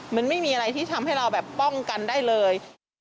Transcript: มันไม่มีอะไรที่ทำให้เราแบบป้องกันได้เลย